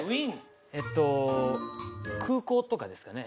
えっと空港とかですかね・